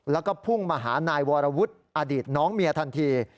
แล้วก็พุ่งมาหานายวรวุฒิอดีตน้องเมียทันที